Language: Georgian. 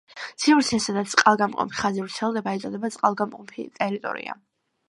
სივრცეს, სადაც წყალგამყოფი ხაზი ვრცელდება, ეწოდება წყალგამყოფი ტერიტორია.